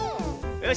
よし。